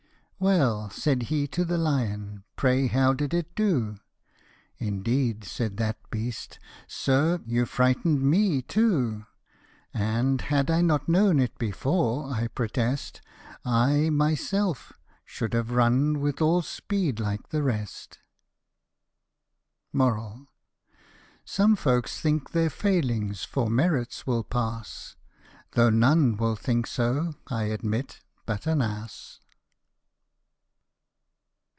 " Well," said he to the lion, " pray how did it do ?"" Indeed," said that beast, " Sir, you frightened me too ; And, had I not known it before, I protest, I, myself, should have run with all speed, like the rest." Some folks think their failings for merits will pass, Though none will think so, I admit, but an ass.